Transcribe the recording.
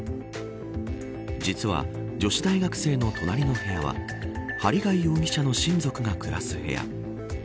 実は、女子大学生の隣の部屋は針谷容疑者の親族が暮らす部屋。